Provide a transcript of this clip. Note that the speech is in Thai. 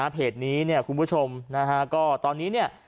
เพจนี้คุณผู้ชมตอนนี้เนี่ย